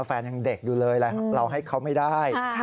แฟนยังเด็กอยู่เลยเราให้เขาไม่ได้